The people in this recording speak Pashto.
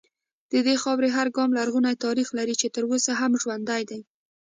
د دې خاورې هر ګام لرغونی تاریخ لري چې تر اوسه هم ژوندی دی